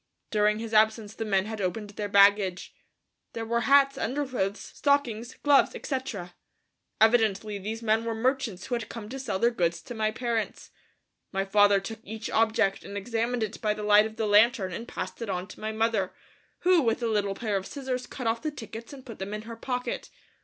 During his absence the men had opened their baggage. There were hats, underclothes, stockings, gloves, etc. Evidently these men were merchants who had come to sell their goods to my parents. My father took each object and examined it by the light of the lantern and passed it on to my mother, who with a little pair of scissors cut off the tickets and put them in her pocket.